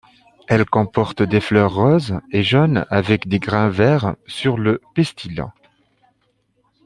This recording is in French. Elle comporte des fleurs roses et jaunes avec des grains verts sur le pistil.